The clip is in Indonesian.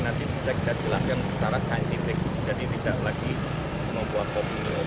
nanti bisa kita jelaskan secara saintifik jadi tidak lagi membuat pemilu